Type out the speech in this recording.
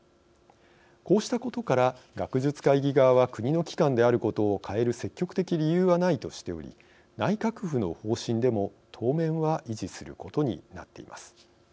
こうしたことから学術会議側は国の機関であることを変える積極的理由はないとしており内閣府の方針でも、当面は維持することになっています。